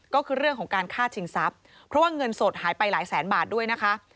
ก็คือเรื่องของการฆ่าชิงทรัพย์เพราะว่าเงินสดหายไปหลายแสนบาทด้วยนะคะ